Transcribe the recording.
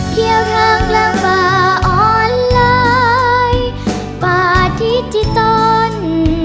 เที่ยวทางแล้วป่าออนไลน์ป่าทิศที่ต้น